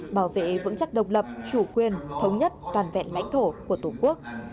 bảo vệ vững chắc độc lập chủ quyền thống nhất toàn vẹn lãnh thổ của tổ quốc